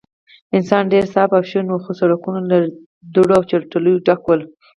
اسمان ډېر صاف او شین و، خو سړکونه له دوړو او چټلیو ډک ول.